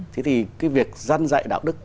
thì cái việc dân dạy đạo đức